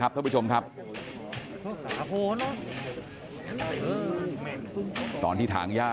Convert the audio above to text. กลุ่มตัวเชียงใหม่